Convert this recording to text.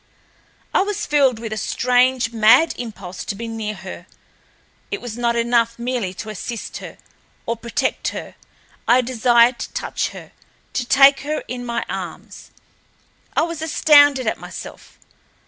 I was filled with a strange, mad impulse to be near her. It was not enough merely to assist her, or protect her—I desired to touch her—to take her in my arms. I was astounded at myself.